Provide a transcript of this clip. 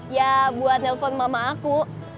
ya buat nelfon mama aku